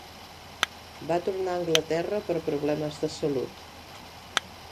Va tornar a Anglaterra per problemes de salut.